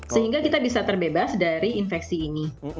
sehingga kita bisa terbebas dari infeksi ini